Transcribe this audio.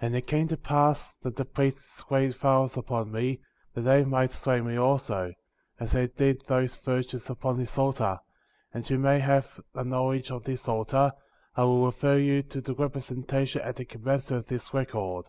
12. And it came to pass that the priests laid violence upon me, that they might slay me also,* as they did those virgins upon this altar ; and that you may have a knowledge of this altar, I will refer you to the representation at the commencement of this record.